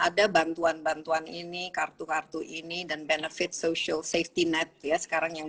ada bantuan bantuan ini kartu kartu ini dan benefit social safety net ya sekarang yang